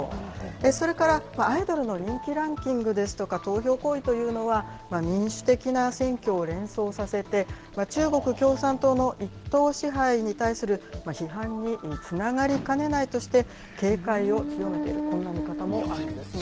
それから、アイドルの人気ランキングですとか、投票行為というのは、民主的な選挙を連想させて、中国共産党の一党支配に対する批判につながりかねないとして、警戒を強めている、こんな見方もあるんですね。